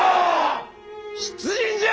出陣じゃ！